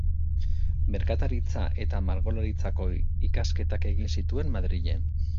Merkataritza eta Margolaritzako ikasketak egin zituen Madrilen.